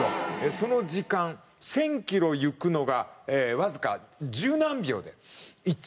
その時間１０００キロ行くのがわずか十何秒で行っちゃうという。